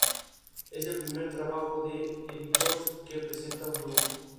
Es un futbolista argentino que actualmente se desempeña en Guillermo Brown de Puerto Madryn.